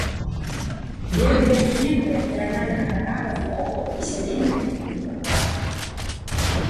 Берберы і негры перанялі ад арабаў мову і сямейны ўклад.